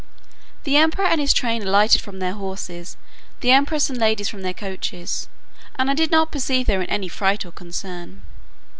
The emperor and his train alighted from their horses, the empress and ladies from their coaches, and I did not perceive they were in any fright or concern.